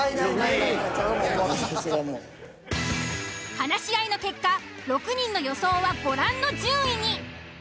話し合いの結果６人の予想はご覧の順位に。